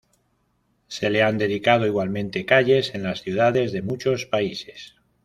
Se le han dedicado igualmente calles en las ciudades de muchos países.